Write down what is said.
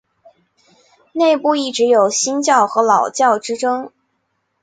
内部一直有新教与老教之争。